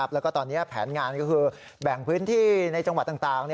แล้วก็ตอนนี้แผนงานก็คือแบ่งพื้นที่ในจังหวัดต่าง